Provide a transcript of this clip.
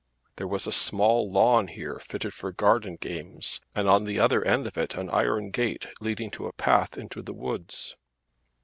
There was a small lawn here fitted for garden games, and on the other end of it an iron gate leading to a path into the woods.